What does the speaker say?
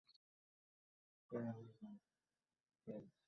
তখন তাঁর স্বজনেরা দ্রুত তাঁকে ঢাকা মেডিকেল কলেজ হাসপাতালে ভর্তি করান।